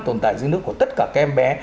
tồn tại dưới nước của tất cả các em bé